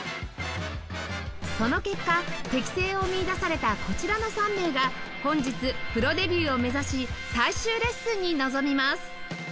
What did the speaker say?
その結果適性を見いだされたこちらの３名が本日プロデビューを目指し最終レッスンに臨みます